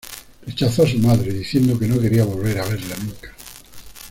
Rechazó a su madre, diciendo que no quería volver a verla nunca.